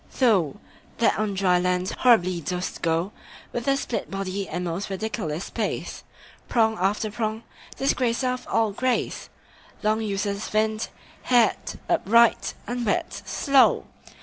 Thou that on dry land horribly dost go With a split body and most ridiculous pace, Prong after prong, disgracer of all grace, Long useless finned, haired, upright, unwet, slow!